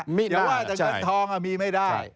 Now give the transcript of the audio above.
จะว่าเป็นเงินทองอะมีไม่ได้